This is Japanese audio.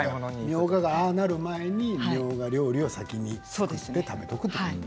みょうががああなる前にみょうが料理を食べておくと。